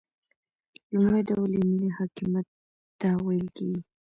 لومړی ډول یې ملي حاکمیت ته ویل کیږي.